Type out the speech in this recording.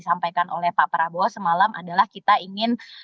langsung kita merasa tahankan persaingan